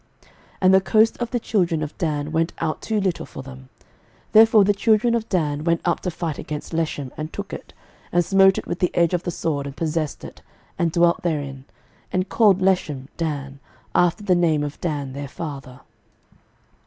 06:019:047 And the coast of the children of Dan went out too little for them: therefore the children of Dan went up to fight against Leshem, and took it, and smote it with the edge of the sword, and possessed it, and dwelt therein, and called Leshem, Dan, after the name of Dan their father.